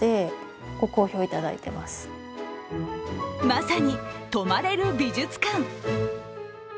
まさに、泊まれる美術館。